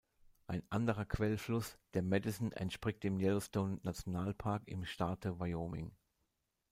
Ein anderer Quellfluss, der Madison entspringt im Yellowstone-Nationalpark im Staate Wyoming.